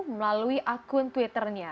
melalui akun twitternya